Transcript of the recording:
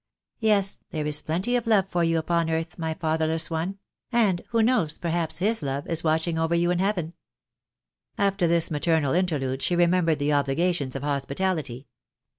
"Yes, there is plenty of love for you upon earth, my fatherless one; and, who knows, perhaps his love is watching over you in heaven." After this maternal interlude she remembered the obligations of hospitality.